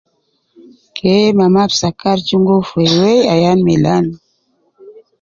Keena maruf sakar chungo fi iwele ayan milan